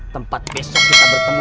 tepat besok kita bertemu